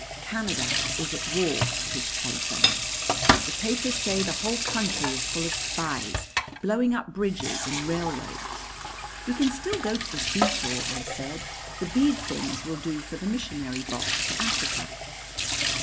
"Canada is at war," Tish telephoned. "The papers say the whole country is full of spies, blowing up bridges and railroads." "We can still go to the seashore," I said. "The bead things will do for the missionary box to Africa."